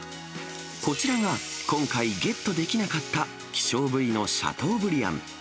こちらが今回、ゲットできなかった希少部位のシャトーブリアン。